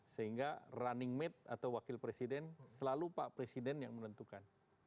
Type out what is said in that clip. sehingga running mate atau wakil presiden selalu pak presiden yang menentukan